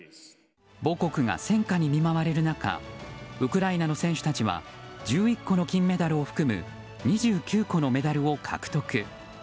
母国が戦火に見舞われる中ウクライナの選手たちは１１個の金メダルを含む２９個のメダルを獲得。